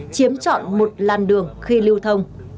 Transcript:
chiếm trọn một làn đường khi lưu thông